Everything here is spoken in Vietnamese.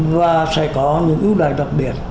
và sẽ có những ưu đại đặc biệt